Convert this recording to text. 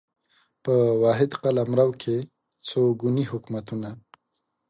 په واحد قلمرو کې څو ګوني حکومتونه